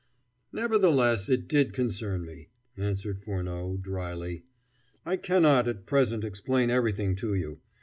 "Nevertheless, it did concern me," answered Furneaux dryly; "I cannot, at present, explain everything to you.